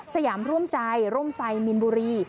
สยามร่วมใจร่มไซมินบุรี